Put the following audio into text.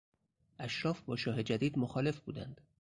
اشراف با شاه جدید مخالف بودند.